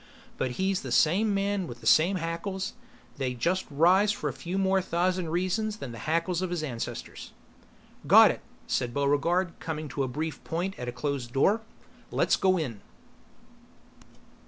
But he's the same man with the same hackles; they just rise for a few more thousand reasons than the hackles of his ancestors. "Got it!" said Buregarde coming to a brief point at a closed door. "Let's go in!"